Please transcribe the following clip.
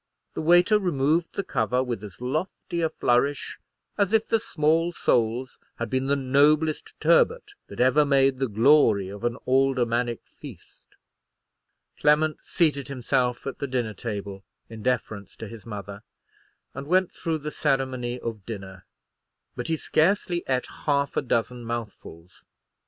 The waiter removed the cover with as lofty a flourish as if the small soles had been the noblest turbot that ever made the glory of an aldermannic feast. Clement seated himself at the dinner table, in deference to his mother, and went through the ceremony of dinner; but he scarcely ate half a dozen mouthfuls.